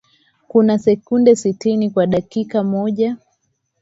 Kuna sekunde sitini kwa dakika moja.